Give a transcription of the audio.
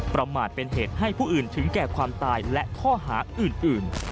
ประมาทเป็นเหตุให้ผู้อื่นถึงแก่ความตายและข้อหาอื่น